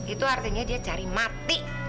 itu artinya dia cari mati